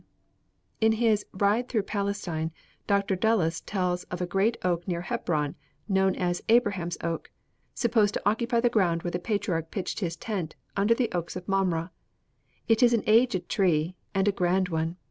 ] "In his Ride Through Palestine, Dr. Dulles tells of a great oak near Hebron known as 'Abraham's oak,' supposed to occupy the ground where the patriarch pitched his tent under the oaks of Mamre. It is an aged tree, and a grand one.